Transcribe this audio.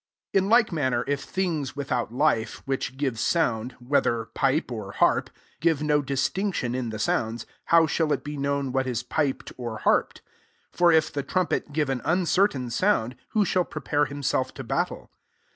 7 In like manner if things without life, vrhich give sound, whether pipe w harp, give no distinction in the sounds, how shall it be tuiown what is piped or harped? 8 For if the trumpet give an uncertain sound, who shall pre pare himself to battle?